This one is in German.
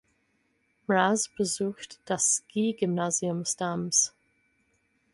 Mraz besuchte das Skigymnasium Stams.